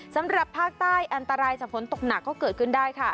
สำหรับภาคใต้อันตรายจากฝนตกหนักก็เกิดขึ้นได้ค่ะ